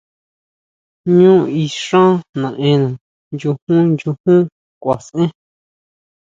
Ñú í xán naʼena, nyujún, nyujún kuaʼsʼen.